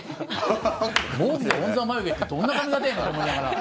坊主でオン・ザ・眉毛ってどんな髪型やねんと思いながら。